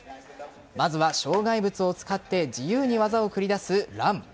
まずは障害物を使って自由に技を繰り出すラン。